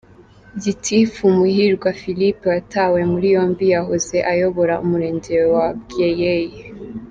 Gitifu Muhirwa Philippe watawe muri yombi yahoze ayobora Umurenge wa Bweyeye.